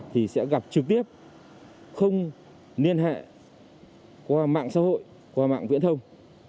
thì sẽ gặp trực tiếp không liên hệ qua mạng xã hội qua mạng viễn thông